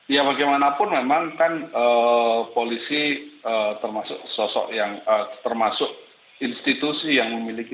ya bagaimanapun memang kan polisi termasuk sosok yang termasuk institusi yang memiliki